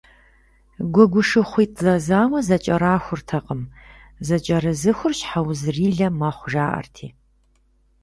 Гуэгушыхъуитӏ зэзауэ зэкӏэрахуртэкъым, зэкӏэрызыхур щхьэузрилэ мэхъу, жаӏэрти.